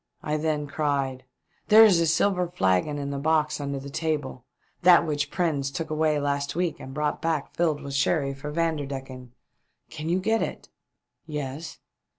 I then cried . "There is a silver flagon in the box under the table ; that which Prins took away last week and brought back filled with sherry for Vanderdecken. Can you get it?" " Yes."